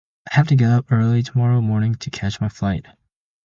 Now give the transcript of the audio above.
I have to get up early tomorrow morning to catch my flight.